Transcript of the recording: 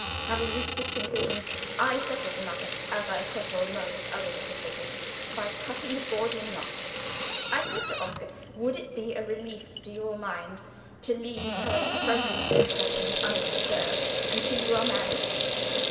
Having reached this conclusion, I settled the matter (as I settle most other difficulties) by cutting the Gordian knot. I said to Oscar, 'Would it be a relief to your mind to leave her present impression undisturbed until you are married?'